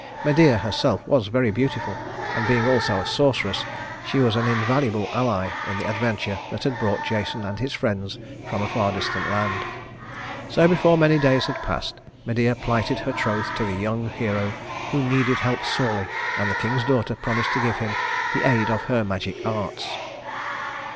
Medea herself was very beautiful, and being also a sorceress she was an invaluable ally in the adventure that had brought Jason and his friends from a far distant land. So before many days had passed Medea plighted her troth to the young hero who needed help sorely and the king's daughter promised to give him the aid of her magic arts.